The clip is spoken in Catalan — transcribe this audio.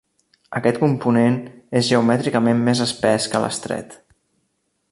Aquest component és geomètricament més espès que l'estret.